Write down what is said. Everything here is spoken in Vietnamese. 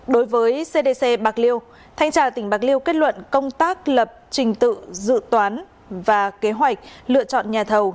đối với cdc bạc liêu thanh tra tỉnh bạc liêu kết luận công tác lập trình tự dự toán và kế hoạch lựa chọn nhà thầu